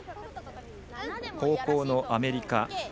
後攻のアメリカ。